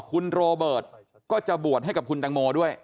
คุณโรเบิร์ตก็จะบวชให้กับคุณตังโมด้วย